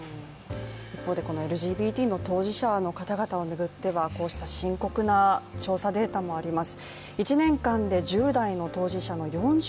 一方でＬＧＢＴＱの当事者の方々を巡ってはこうした深刻な調査データもあります。